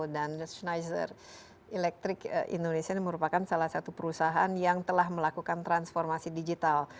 dan schneider electric indonesia merupakan salah satu perusahaan yang telah melakukan transformasi digital